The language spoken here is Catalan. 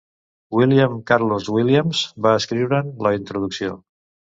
Williams Carlos Williams va escriure'n la introducció.